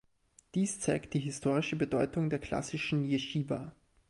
Dies zeigt die historische Bedeutung der klassischen Jeschiwa.